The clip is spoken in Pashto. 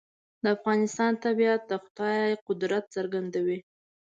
د افغانستان طبیعت د خدای قدرت څرګندوي.